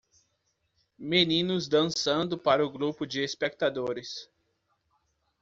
Meninos dançando para o grupo de espectadores.